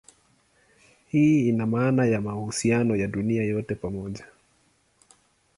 Hii ina maana ya mahusiano ya dunia yote pamoja.